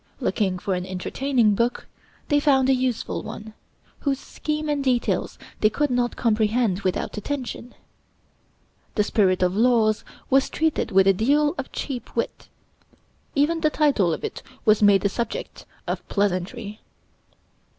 Looking for an entertaining book, they found a useful one, whose scheme and details they could not comprehend without attention. The 'Spirit of Laws' was treated with a deal of cheap wit; even the title of it was made a subject of pleasantry.